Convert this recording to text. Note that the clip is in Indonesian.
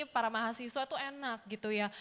para mahasiswa itu enak gitu ya